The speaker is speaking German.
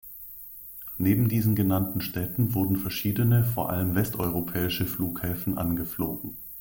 Neben diesen genannten Städten wurden verschiedene, vor allem westeuropäische Flughäfen angeflogen.